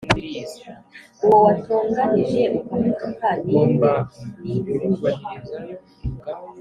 Uwo watonganije ukamutuka ni nde Ni nde